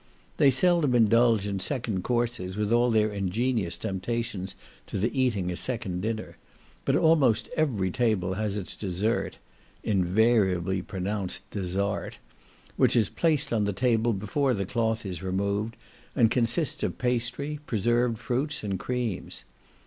They seldom indulge in second courses, with all their ingenious temptations to the eating a second dinner; but almost every table has its dessert, (invariably pronounced desart) which is placed on the table before the cloth is removed, and consists of pastry, preserved fruits, and creams.